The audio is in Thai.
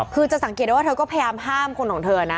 คือจะสังเกตได้ว่าเธอก็พยายามห้ามคนของเธอนะ